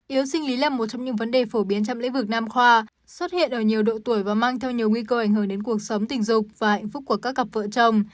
yếu sinh lý là một trong những vấn đề phổ biến trong lĩnh vực nam khoa xuất hiện ở nhiều độ tuổi và mang theo nhiều nguy cơ ảnh hưởng đến cuộc sống tình dục và hạnh phúc của các cặp vợ chồng